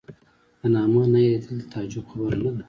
د نامه نه یادېدل د تعجب خبره نه ده.